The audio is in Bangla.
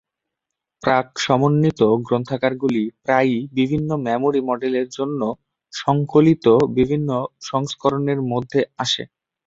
প্রাক-সমন্বিত গ্রন্থাগারগুলি প্রায়ই বিভিন্ন মেমরি মডেলের জন্য সংকলিত বিভিন্ন সংস্করণের মধ্যে আসে।